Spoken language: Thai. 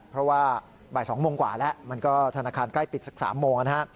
เพราะว่าบ่าย๒โมงกว่าแล้วมันก็ธนาคารใกล้ปิดสัก๓โมงนะฮะ